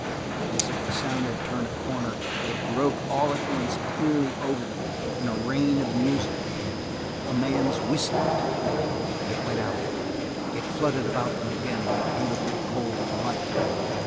As if the sound had turned a corner, it broke all at once clearly over them in a rain of music; a man's whistling. It went out; it flooded about them again like beautiful, cold light.